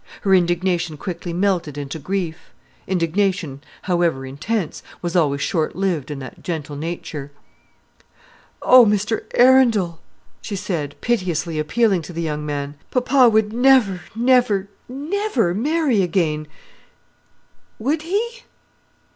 Her indignation quickly melted into grief. Indignation, however intense, was always short lived in that gentle nature. "Oh, Mr Arundel!" she said, piteously appealing to the young man, "papa would never, never, never marry again, would he?"